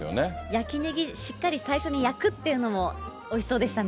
焼きネギ、しっかり最初に焼くっていうのもおいしそうでしたね。